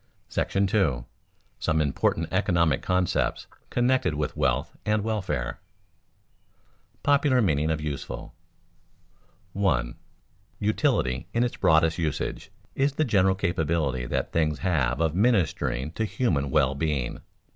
§ II. SOME IMPORTANT ECONOMIC CONCEPTS CONNECTED WITH WEALTH AND WELFARE [Sidenote: Popular meaning of useful] 1. _Utility, in its broadest usage, is the general capability that things have of ministering to human well being.